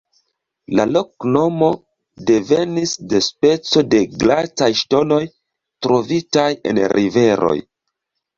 La loknomo devenis de speco de glataj ŝtonoj trovitaj en riveroj.